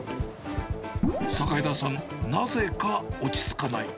榮田さん、なぜか落ち着かない。